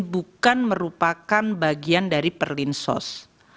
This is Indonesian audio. bukan merupakan bagian dari perlinsos